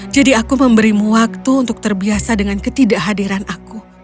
jadi aku memberimu waktu untuk terbiasa dengan ketidakhadiran aku